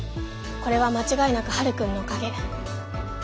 これは間違いなくはるくんのおかげ。